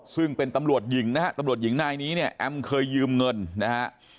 ซึ่งเป็นตำรวจหญิงนะฮะตำรวจหญิงนายนี้เนี่ยแอมเคยยืมเงินนะฮะ